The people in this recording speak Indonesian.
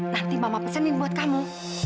nanti mama pesenin buat kamu